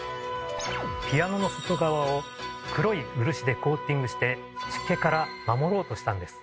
ピアノの外側を黒い漆でコーティングして湿気から守ろうとしたんです。